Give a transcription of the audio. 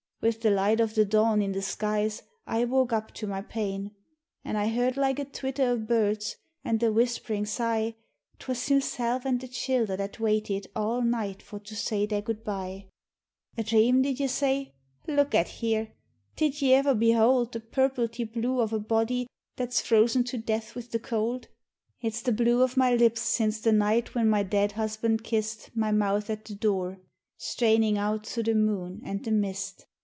With the light o' the dawn in the skies I woke up to my pain, An' I heard like a twitter o' birds, an' a whishperin' sigh, 'Twas himself an' the childher that waited all night for to say their good bye. A dhrame did y' say? Look at here! did y' iver behold The purplety blue of a body that's frozen to death wid the cold ? MAURY'S VISION 9i It's the blue of my lips since the night whin my dead husband kissed My mouth at the dure, sthrainin' out through the moon an' the mist.